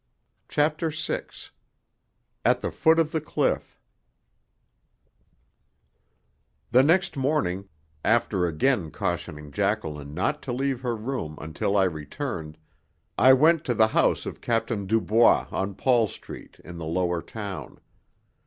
CHAPTER VI AT THE FOOT OF THE CLIFF The next morning, after again cautioning Jacqueline not to leave her room until I returned, I went to the house of Captain Dubois on Paul Street, in the Lower Town.